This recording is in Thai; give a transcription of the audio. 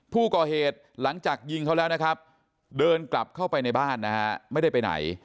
ผู้ก่อเหตุหลังจากยิงเขาแล้วนะครับเดินกลับเข้าไปในบ้านนะฮะไม่ได้ไปไหน